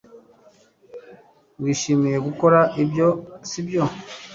wishimiye gukora ibyo, sibyo